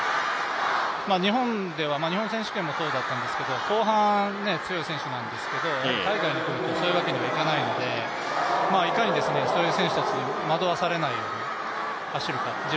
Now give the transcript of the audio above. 日本では、日本選手権でもそうだったんですけど後半が強い選手なんですけど海外に来るとそういうわけにはいかないのでいかに、そういう選手たちに惑わされないように走るか。